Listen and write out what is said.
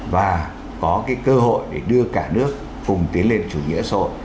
và có cái cơ hội để đưa cả nước cùng tiến lên chủ nghĩa xã hội